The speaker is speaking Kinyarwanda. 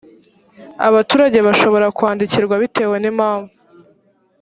abaturage bashobora kwandikirwa bitewe nimpamvu.